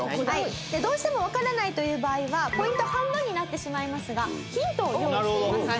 どうしてもわからないという場合はポイントが半分になってしまいますがヒントを用意していますので。